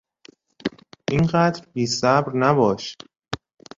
اینقدر بیصبر نباش!